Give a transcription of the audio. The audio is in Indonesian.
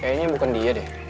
kayaknya bukan dia deh